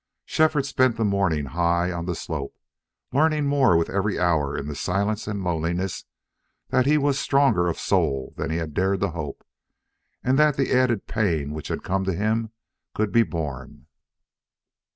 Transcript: Shefford spent the morning high on the slope, learning more with every hour in the silence and loneliness, that he was stronger of soul than he had dared to hope, and that the added pain which had come to him could be borne.